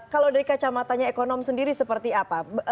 kalau dari kacamatanya ekonom sendiri seperti apa